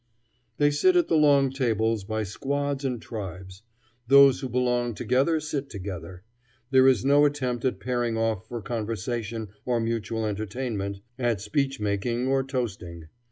They sit at the long tables by squads and tribes. Those who belong together sit together. There is no attempt at pairing off for conversation or mutual entertainment, at speech making or toasting.